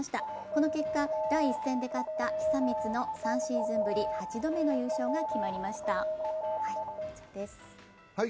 この結果、第１戦で勝った久光の３シーズンぶり８度目の優勝が決まりました。